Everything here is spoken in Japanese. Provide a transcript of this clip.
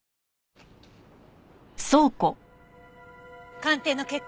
鑑定の結果